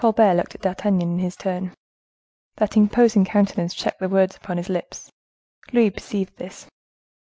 Colbert looked at D'Artagnan is his turn. That imposing countenance checked the words upon his lips. Louis perceived this.